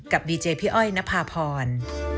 กับดีเจพี่อ้อยณพาพร